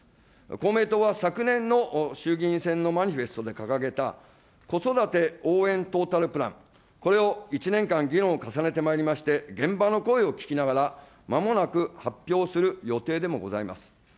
公明党は昨年の衆議院選のマニフェストで掲げた、子育て応援トータルプラン、これを１年間議論を重ねてまいりまして、現場の声を聞きながらまもなく発表する予定でもございます。